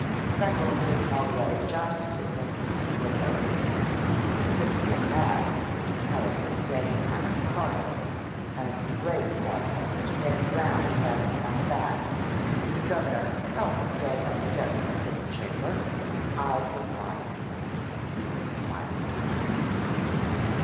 Freckles was called away just as it went to a vote. When he came back Senator Kelley was standing out in the corridor, and a great crowd of men were standing around slapping him on the back. The Governor himself was standing on the steps of the Senate Chamber; his eyes were bright, and he was smiling.